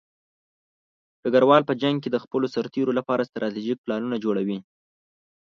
ډګروال په جنګ کې د خپلو سرتېرو لپاره ستراتیژیک پلانونه جوړوي.